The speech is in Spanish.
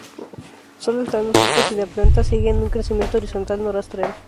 Sólo se dan los frutos si la planta sigue un crecimiento horizontal, no rastrero.